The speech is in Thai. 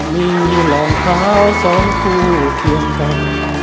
มีรองเท้าสองคู่เคียงกัน